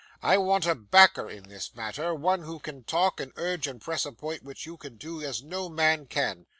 'I want a backer in this matter; one who can talk, and urge, and press a point, which you can do as no man can.